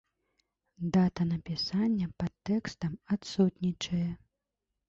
Дата напісання пад тэкстам адсутнічае.